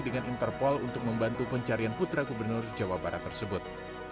dengan interpol untuk membantu pencarian putra gubernur jawa barat tersebut